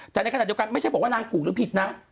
แต่ในขณะเดียวกันไม่ใช่บอกว่านางถูกหรือผิดนะ